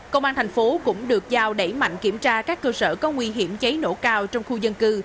công an thành phố cũng được giao đẩy mạnh kiểm tra các cơ sở có nguy hiểm cháy nổ cao trong khu dân cư